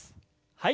はい。